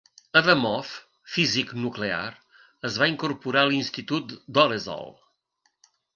Adamov, físic nuclear, es va incorporar a l'institut Dollezhal.